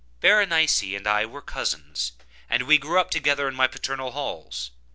Berenice and I were cousins, and we grew up together in my paternal halls.